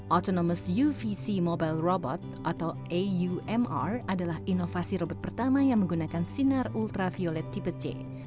autonomous uvc mobile robot atau aumr adalah inovasi robot pertama yang menggunakan sinar ultraviolet tipe c